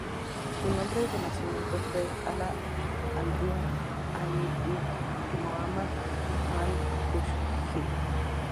Su nombre de nacimiento fue Ala al-Dīn Ali ibn Mahoma al-Qushji.